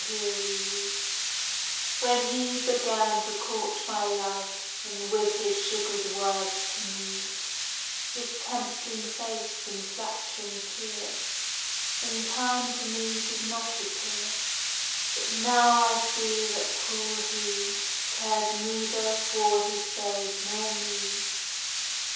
_ When he began to court my love, And with his sugar'd words to move, His tempting face, and flatt'ring chear, In time to me did not appear; But now I see that cruel he Cares neither for his babe nor me.